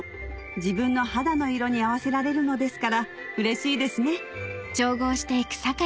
自分の肌の色に合わせられるのですからうれしいですね